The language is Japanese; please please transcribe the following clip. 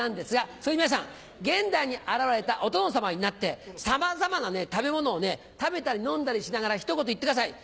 そこで皆さん現代に現れたお殿様になってさまざまな食べ物を食べたり飲んだりしながら一言言ってください。